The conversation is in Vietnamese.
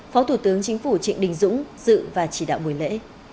phó thủ tướng chính phủ trịnh đình dũng dự và chỉ đạo buổi lễ